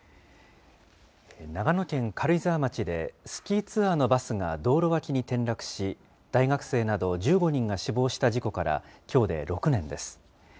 長野県軽井沢町で、スキーツアーのバスが道路脇に転落し、大学生など１５人が死亡した事故からきょうで６年です。